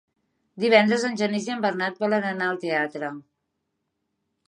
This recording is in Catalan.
Divendres en Genís i en Bernat volen anar al teatre.